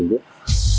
đại đắc quốc gia